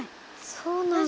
そうなんだ。